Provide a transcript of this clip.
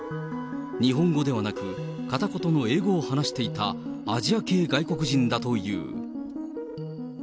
日本語ではなく、片言の英語を話していたアジア系外国人だという。